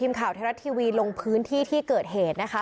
ทีมข่าวไทยรัฐทีวีลงพื้นที่ที่เกิดเหตุนะคะ